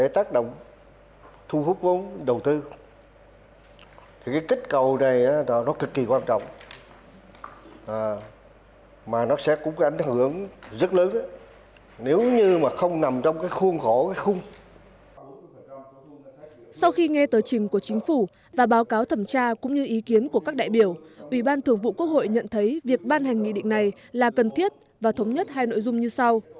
theo báo cáo thẩm tra cũng như ý kiến của các đại biểu ủy ban thưởng vụ quốc hội nhận thấy việc ban hành nghị định này là cần thiết và thống nhất hai nội dung như sau